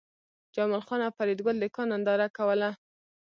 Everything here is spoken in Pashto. جمال خان او فریدګل د کان ننداره کوله